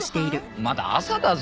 まだ朝だぞ。